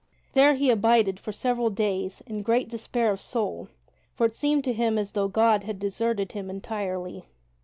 There he abided for several days in great despair of soul, for it seemed to him as though God had deserted him entirely.